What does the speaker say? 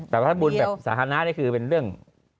สมมุติในสถานะนี่คือเป็นเรื่อง